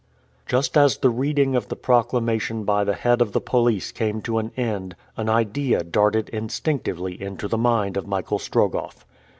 Just as the reading of the proclamation by the head of the police came to an end, an idea darted instinctively into the mind of Michael Strogoff.